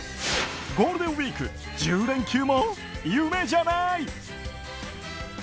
ゴールデンウィーク１０連休も夢じゃない！